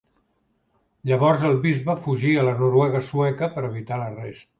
Llavors el bisbe fugí a la Noruega sueca per evitar l'arrest.